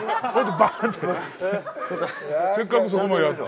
せっかくそこまでやって。